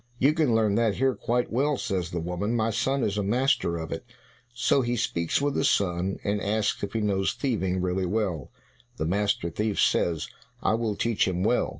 "You can learn that here quite well," says the woman, "my son is a master of it." So he speaks with the son, and asks if he knows thieving really well? The master thief says, "I will teach him well.